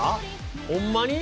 ホンマに？